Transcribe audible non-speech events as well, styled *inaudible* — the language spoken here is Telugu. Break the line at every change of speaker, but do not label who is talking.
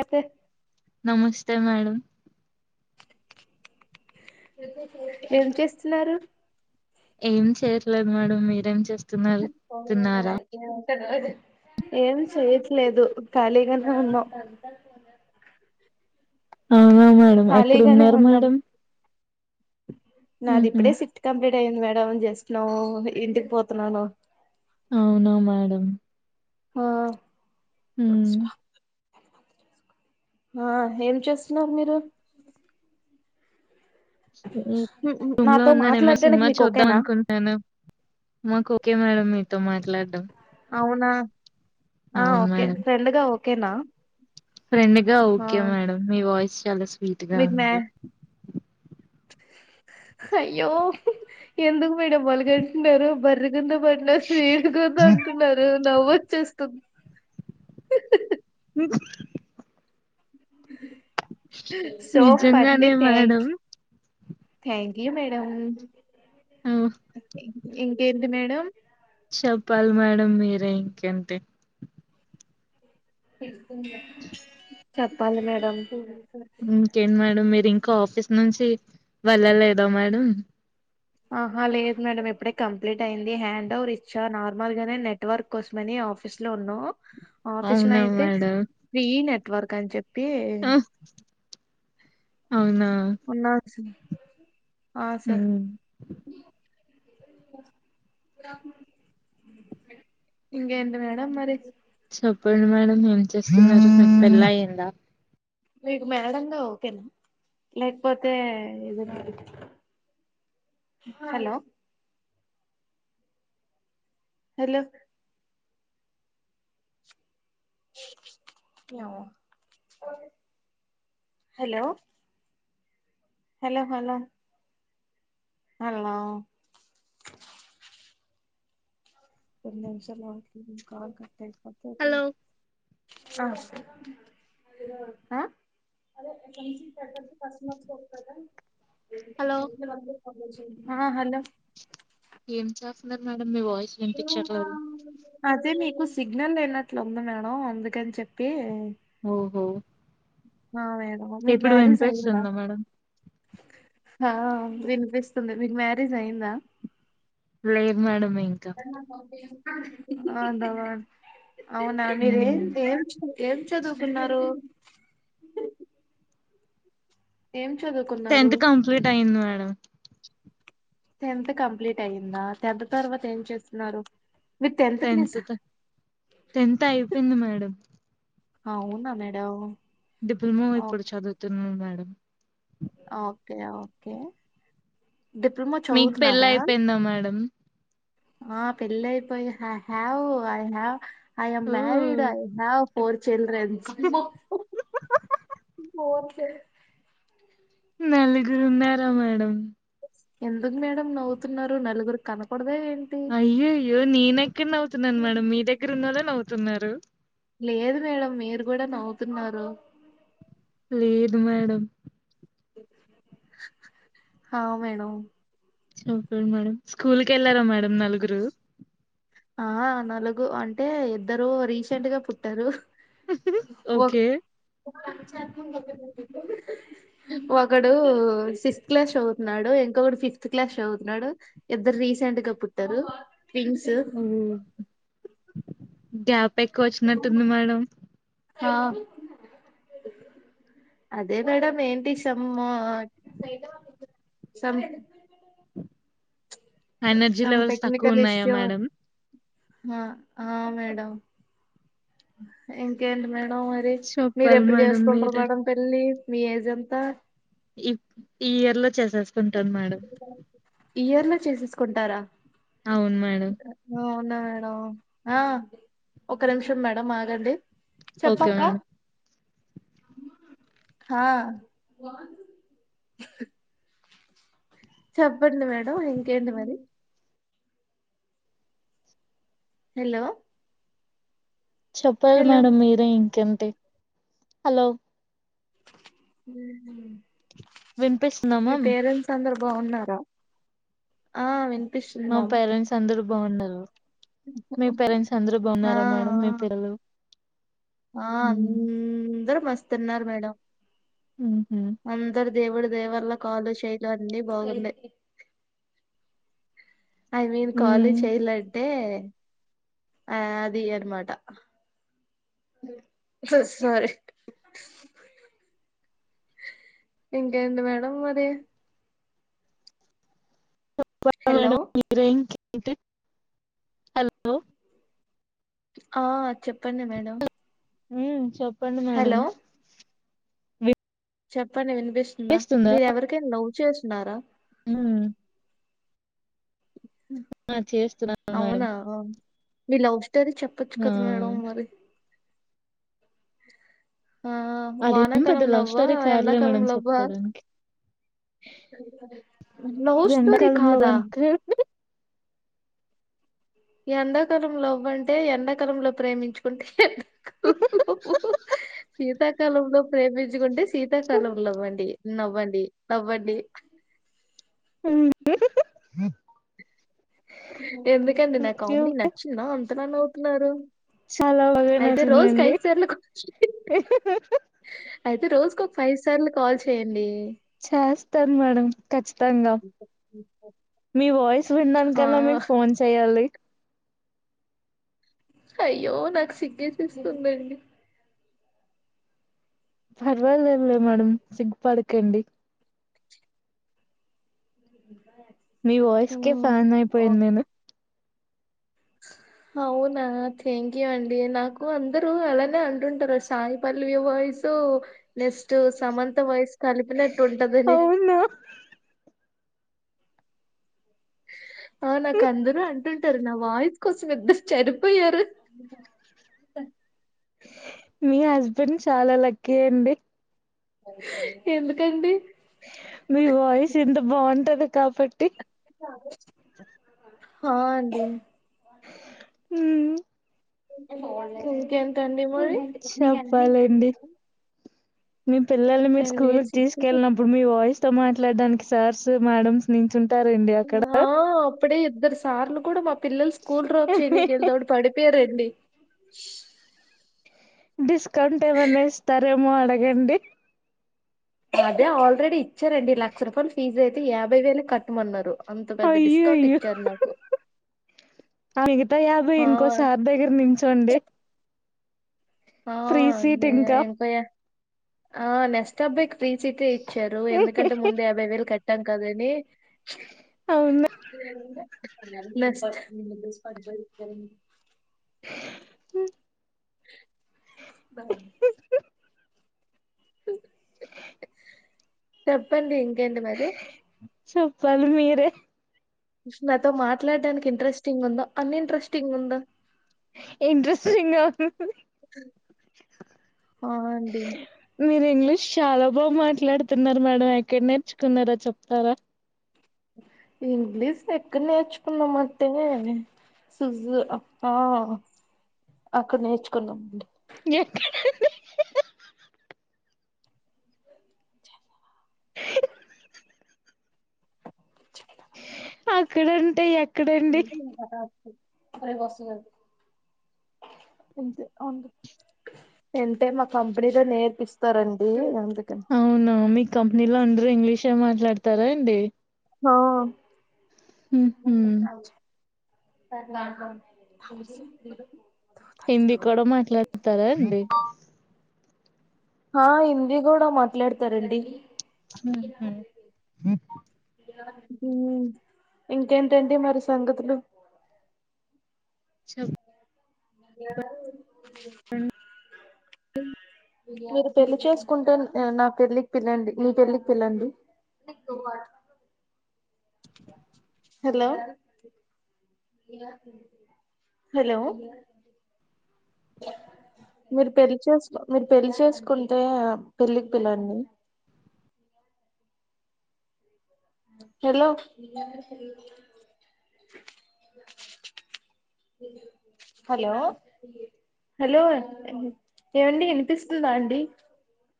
ఎప్ప
నమస్తే
ఏం చేస్తున్నారు
ఏం చేయట్లేదు మేడం మీరేం చే
*inaudible* ఏం చేయట్లేదు ఖాళీగానే ఉన్నాం.
అవునా మేడం ఎక్కడ
ఖాళీగానే
ఉన్నారు
ఉన్నాం
మేడం
నాది
ఉహు
ఇప్పుడే సిట్ కంప్లీట్ అయింది మేడం జస్ట్ నవ్ ఇంటికి పోతున్నాను
అవునా మేడం
హా
ఉమ్
స్టాప్ ఆ ఏం చేస్తున్నారు మీరు
ఇ రూమ్ లో
నాతో
ఉన్నాను. ఏమైన
మాట్లాడడానికి
సినిమా
మీకు
చూద్దాం
ఓకేనా
అనుకుంటున్నాను మాకు ఓకే మేడం మీతో మాట్లాడడం.
అవునా ఆ
అవును
ఓకే
మేడం
ఫ్రెండ్ గా ఒకే ఓకేనా
ఫ్రెండ్ గా
ఆ
ఓకే మేడం. మీ వాయిస్ చాల సార్లు ఇటు
మీకు మ్యా
రండి
అయ్యో ఎందుకు డబల్ అంటున్నారు బల్ కింద పడిన స్వీట్ కదా అంటున్నారు నవ్వు వచ్చేస్తుంది సో
నిజంగానే
పర్లేదు
మేడం
థాంక్యూ యూ మేడం
ఓ,
ఇంకేటి మేడం
చెప్పాలి మేడం మీరే ఇంకేంటి
హ హ్మ్మ్ చెప్పాలి మేడం
ఇంకేంది మేడం మీరు ఇంకా ఆఫీస్ నుంచి వెళ్ళలేదా మేడం
ఆహ లేదు మేడం ఇప్పుడే కంప్లీట్ అయింది హ్యాండ్ ఓవర్ ఇచ్చా నార్మల్ గానే నెట్వర్క్ కోసమని ఆఫీస్ లో ఉన్నా ఆఫీసులో
అవునా
అయితే ఫ్రీ నెట్వర్క్ అయితే
ఉహ్
ఉండవచ్చు ఆ సార్
ఉమ్
ఇంకా ఏంటి మేడం మరి
చెప్పండి మేడం మీరు ఏం చేస్తున్నారు మీకు పెళ్లి అయిందా
మీకు మేడంగా ఓకేనా లేకపోతే ఏదనా హలో హలో ఏమో హలో హలో హలో హలో ఒక్క నిమిషం ఆగండి కాల్ కట్ అయింది అప్పటి
హలో
ఆ ఆ
హలో
ఆ హలో
ఏం చేస్తున్నారు మేడం మీ వాయిస్ వినిపించట్లేదు
అదే మీకు సిగ్నల్ లేయినట్లుంది మేడం అందుకని చెప్పి
ఓహో
ఆ మేడం మీకు
ఇప్పుడు
మ్యారేజ్ అయిందా
విన్పిస్తుందా మేడం
ఆ విన్పిస్తుంది మీకు మ్యారేజ్ అయ్యిందా
లేదు మేడం *unintelligible*
అ దవాన్ అవునా
ఉమ్
మీరేం జేంచ్ ఏం చదువుకున్నారు ఏం చదువుకున్నారు
టెన్త్ కంప్లీట్ అయ్యింది మే *unintelligible*
టెన్త్ కంప్లీట్ అయ్యిందా టెన్త్ తర్వాత ఏం చేస్తున్నారు మీరు
టెన్త్
క్లాసా
త టెన్త్ అయ్యిపోయింది మేడం
అవునా మేడవ్
డిప్లమో ఇప్పుడు చదువుతు ఉమ్మ్ మేడం
ఓకే ఓకే డిప్లొమా
మీకు
చదువుతున్నారా
పెళ్ళయిపోయిందా మేడం
ఆ పెళ్లయిపోయి హ have I have I am
oh
married I have four children కె
నలుగురున్నారా మేడం
ఎందుకు మేడం నవ్వుతున్నారు నలుగురు కనకూడదా ఏ
అయ్యయ్యో నేనెక్కడ నవ్వుతున్నాను మేడం మీ దగ్గరున్నోళ్ళే నవ్వుతున్నారు
లేదు మేడం మీరు కూడా నవ్వుతున్నారు
లేదు మేడం
ఆ మేడం
ఓకే మేడం స్కూల్ క వెళ్ళారా మేడం నలుగురు
ఆ నలుగు అంటే ఇద్దరు రీసెంట్ గా పుట్టారు ఒక
ఓకే.
ఒకడు సిక్స్త్ క్లాస్ చదువుతున్నాడు ఇంకొకడు ఫిఫ్త్ క్లాస్ చదువుతున్నాడు ఇద్దరు రీసెంట్ గా పుట్టారు ట్విన్స్
హ్మ్మ్ గ్యాప్ ఎకువ వచ్చినట్టుంది మేడం
ఆ అదే మేడంమ్ ఏంటి సమ్మా
ఎనర్జీ లెవెల్స్ తక్కువ
టెక్నికల్
ఉన్నాయా
ఇష్యూ
మేడం
ఆ ఆ మేడం ఇంకేంటి మేడం మరి మీరు
చెప్పాలి
ఎప్పుడు
మేడం
చేస్తుకుంటారు
మీరే.
మేడం పెళ్లి మీ ఏజంతా
ఇ ఈ ఎల చేేసేసుకుంటాం మేడం
ఇ ఇయర్ లో చేసేసుకుంటారా
అవును మేడం
న్న మేడం ఆ ఒక నిమిషం మేడం ఆగండి
ఓకే మేడం
హా చెప్పండి మేడం ఇంకేంటి మరి హలో
చెప్పాలి
హలో
మేడం మీరే ఇంకేంటి హలో
మీ
వినిపిస్తున్నామామ్
పేరెంట్స్ అందరు బాగున్నారా ఆ వి
నా పరెంట్స్ అందరు బాగున్నారు
ఆ
మేడం? మీ పిల్లలు?
ఆ
హ్మ్.
అందరు మస్తున్నారు మేడం
హుహు.
అంతర దేవుడు దదే వల్ల కాలు చేైలు అన్నిీ బాగున్నాయి ఐ మీన్ కాలేజ్
హ్మ్.
చేయాలంటే ఆ అది అన మాటా స ఎంకా ఎంటి మేడం మరి
మేడ
హలో
మీరే విని హలో
ఆ చెప్ ప్పన్నడి మేడం
ఉ చెప్ప చెప్పండి మేడం
హలో చెప్పండి మీను పిస్తుందా మీరు ఎవరికెళ్ళ చేస్తున్నారా
హ ఆ చేస్తున్నాను మేడంమ్
మీల టర చెప్పొచ్చు కదా మేడం మరి ఆ
అది పెద్ద
వానాకాలం
లవ్
లవ్వా
స్టోరీ కాధులే
ఎండాకాలం
మేడంని
లవ్వా
చెప్పుకోడానికి
లవ్ స్టోరీ
ఎండాకాలంలో
కాదా
అంటక
ఎండాకాలంలో అవ్వంటే ఎండాకాలంలో ప్రేమించుకుంటే సీత క్ సీత కాలంలో ప్రేమించుకుంటే స్ శీతాకాలం లవ్ వ్వండి నవ్వండి నవ్వండి ఎందుకండి నా
ఓకే.
Comedy
okay.
నచ్చిందా అన్ అంతరాన నవ్వుతున్నారు
చాలా బాగా
అయితే రోజుకి
నచ్చిందండి
సార్లు కాల్ చేయండి. అయితే రోజుకు ఒక ఫైవ్ సార్లు కాల్ చేయండి
చేస్తాను మేడం ఖచ్చితంగా మీ వాయిస్ స్
ఆ!
వినడానికాన్నా మీకు ఫోన్ చెయ్యాలి
అయ్యో నాకు సిగ్గేసేస్తుందండి
పర్వాలేదులే మేడం సిగ్గుపడకండి
ఉమ్
మీ వాయిస్కే ఫ్యాన్ అయిపోయను
ఓహ్!
నేను
అవునా థ్యాంక్ యూ అండి నాకు అందరు అలానే అంటుంటారు, Sai Pallavi voice next, Samantha voice. కలిపినట్టు ఉంటదని
అవునా?
ఆ నాకు అందరూ అంటుంటారు నా వాయిసు కోసం ఇద్దరు చెడిపోయ్యారు
మీ హస్బెండ్ చాలా లక్కీ అండి
ఎందుకండి
మీ వాయిస్ ఎంత బాగుం ఉంటది కాబట్టి
ఇక అదే హా అండి
ఉమ్
ఇంకేం సండే
హ్మ్.
మరి
చెప్పాలండి. మీ పిల్లల్ని మీరు
టెన్
స్కూల్ కి
మినిట్స్ ఇచ్చారు
తీసుకెళ్ళినప్పుడు మీ వాయిస్ నీతో మాట్లాడడానికి సార్స్ మేడమ్స్ నించుంటా
ఆ అప్పుడే ఇద్దరు సార్ లు కూడా మా పిల్లలు స్కూల్ డ్రాప్ చేయనికి ఎల్తా ఉంటే పడిపోయారండి ఉష్
డిస్కౌంట్ ఏమన్నా ఇస్తారేమో అడగండి
అదే ఆల్రెడీ ఇచ్చారు అండి లక్ష రూయల ఫీజే అయితే యాభై వేలు కట్టమన్నారు అంత పెద్ద
అయ్యో
డిస్కౌంట్
అయ్యో
ఇచ్చారు నాకు
ఆ మిగతా యాభై
ఆ
ఇంకోసార్ దగ్గర నించోండి
ఆ
ఫ్రీ సీట్
ఉంది
ఇంకా.
వెంకయ్య ఆ నెక్స్ట్ అబ్బాయికి ఫ్రీ సిటే ఇచ్చారు ఎందుకంటే ముందు యాభై వేలు కట్ కట్టాం కదండీ
అవునా?
ప్చ్ లేద్ సర్ దస్ పజ చెక్కడి చెప్పండి ఇంకేంటి మరి
చెప్పాలి మీరే
ఫస్ట్ నాతో మాట్లాడడానికి ఇంట్రెస్టింగ్ గా ఉందా అన్ఇంట్రెస్టింగ్ గా ఉందా
ఇంట్రెస్టింగ్ గా ఉంది
ఆ అండి
మీరు ఇంగ్లీష్ చాలా బా మాట్లాడుతున్నారు మేడం ఎక్కడ నేర్చుకున్నారా చెప్తారా
ఇంగ్లీష్ ఎక్కడ నేర్చుకున్నాం అంటేనే సజు అక్కడ నేర్చుకున్నామ అండి
ఎక్కడ అక్కడ అంటే ఎ
ఎంటే మా కంపెనీతో నేర్పిస్తారండి అందుకని
అవును మీ కంపెనీలో ఉండ ఇంగ్లీష్ ఏ మాట్లాడతారా అండి
హ
హుహు. హిందీ కూడా మాట్లాడతారా అండి
ఆ హిందీ కూడా మాట్లాడతారండి ఇంకేంటండి మరి సంగతులు
చెప్పాలి
మీరు పెళ్లిి చేసుకుంటే నా పెళ్లిికి పిల్లండి నీ పెళ్లిికి పిల్లండి హలో హలో మీరు పెళ్లిి చేసు మీరు పెళ్లిి చేసుకుంటే పెళ్ళి పిల్లని హలో హలో హలో ఏమండి వినిపిస్తుందా అండి